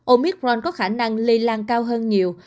omicron có khả năng lây lan cao hơn nhiều